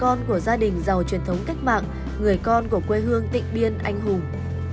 con của gia đình giàu truyền thống cách mạng người con của quê hương tịnh biên anh hùng